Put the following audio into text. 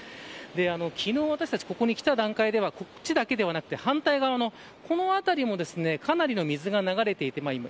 昨日、私たちここへ来た段階ではこっちだけではなく反対辺りもかなりの水が流れていました。